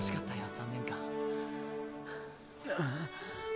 ３年間。